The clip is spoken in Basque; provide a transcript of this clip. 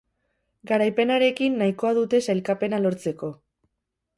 Garaipenarekin nahikoa dute sailkapena lortzeko.